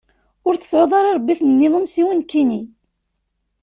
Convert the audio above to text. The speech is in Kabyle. Ur tseɛɛuḍ ara iṛebbiten-nniḍen siwa nekkini.